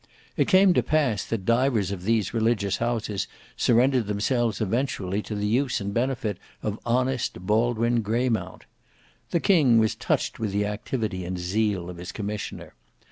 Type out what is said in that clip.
It came to pass that divers of these religious houses surrendered themselves eventually to the use and benefit of honest Baldwin Greymount. The king was touched with the activity and zeal of his commissioner.